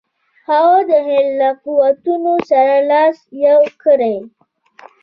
هغه د هند له قوتونو سره لاس یو کړي.